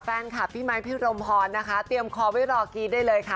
แฟนคลับพี่ไมค์พี่รมพรนะคะเตรียมคอไว้รอกรี๊ดได้เลยค่ะ